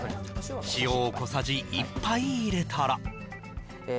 塩を小さじ１杯入れたらえ